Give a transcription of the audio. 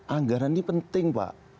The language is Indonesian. anggaran ini penting pak